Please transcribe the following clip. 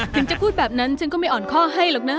ถึงจะพูดแบบนั้นฉันก็ไม่อ่อนข้อให้หรอกนะ